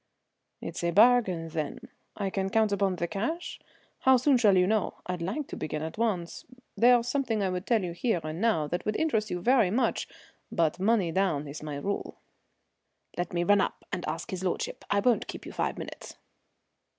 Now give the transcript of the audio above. "It's a bargain, then; I can count upon the cash? How soon shall you know? I'd like to begin at once; there's something I would tell you here, and now, that would interest you very much. But money down is my rule." "Let me run up and ask his lordship. I won't keep you five minutes."